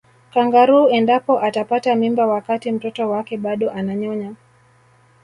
kangaroo endapo atapata mimba wakati mtoto wake bado ananyonya